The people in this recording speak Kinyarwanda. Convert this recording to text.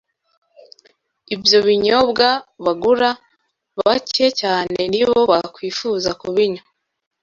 ibyo binyobwa bagura, bake cyane ni bo bakwifuza kubinywa.